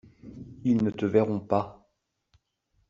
Ils ne te verront pas.